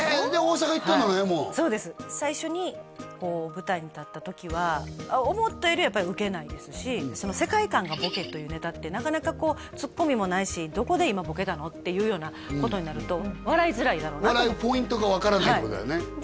最初にこう舞台に立った時は思ったよりはやっぱりウケないですしその世界観がボケというネタってなかなかツッコミもないしどこで今ボケたの？っていうようなことになると笑いづらいだろうなとも笑うポイントが分からないってことだよね